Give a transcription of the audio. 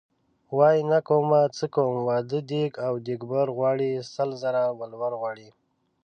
وايي نه کومه څه کوم واده دیګ او دیګبر غواړي سل زره ولور غواړي .